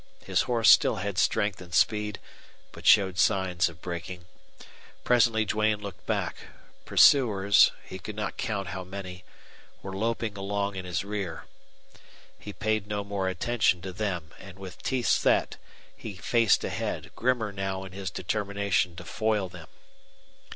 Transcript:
His horse still had strength and speed, but showed signs of breaking. Presently Duane looked back. Pursuers he could not count how many were loping along in his rear. He paid no more attention to them, and with teeth set he faced ahead, grimmer now in his determination to foil them.